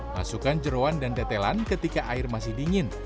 masukkan jerawan dan tetelan ketika air masih dingin